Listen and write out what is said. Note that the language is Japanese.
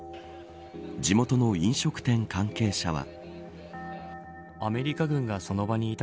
地元の飲食店関係者は。